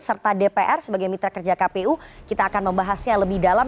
serta dpr sebagai mitra kerja kpu kita akan membahasnya lebih dalam